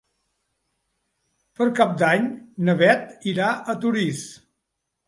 Per Cap d'Any na Beth irà a Torís.